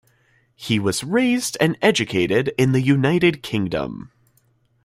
He was raised and educated in the United Kingdom.